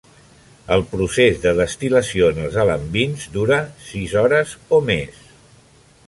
El procés de destil·lació en els "alambins" dura sis hores o més.